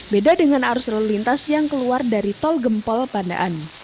beda dengan arus lalu lintas yang keluar dari tol gempol pandaan